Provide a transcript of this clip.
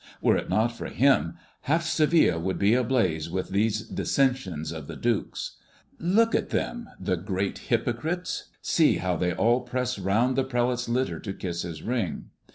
Were it not for him, half Seville would be ablaze with these dissensions of the dukes. Look at them, the great hypocrites; see how they all press around the prelate's litter to kiss his ring.